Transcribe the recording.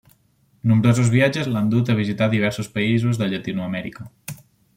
Nombrosos viatges l'han dut a visitar diversos països de Llatinoamèrica.